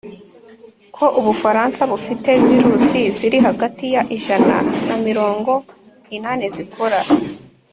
ko ubufaransa bufite virusi ziri hagati ya ijana na mirongo inani zikora